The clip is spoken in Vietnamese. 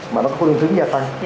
mà nó có những thứ gia tăng